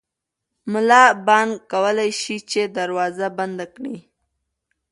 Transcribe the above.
ملا بانګ کولی شي چې دروازه بنده کړي.